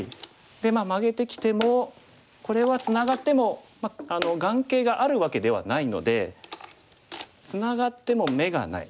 でマゲてきてもこれはツナがっても眼形があるわけではないのでツナがっても眼がない。